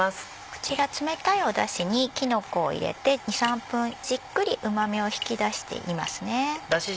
こちら冷たいダシにきのこを入れて２３分じっくりうま味を引き出していますね。